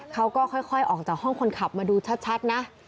เขาก็ค่อยออกจากห้องคนขับมาดูชัดนะ